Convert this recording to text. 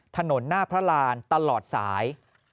ถนนหน้าพระรานตลอดสาย